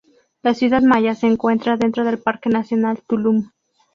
La ciudad maya se encuentra dentro del Parque nacional Tulum.